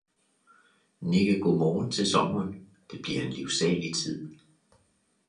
Nikke godmorgen til sommeren, det bliver en livsalig tid